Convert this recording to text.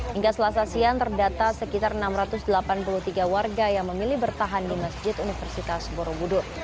hingga selasa siang terdata sekitar enam ratus delapan puluh tiga warga yang memilih bertahan di masjid universitas borobudur